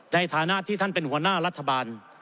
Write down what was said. ในฐานะที่ท่านเป็นหัวหน้ารัฐบาล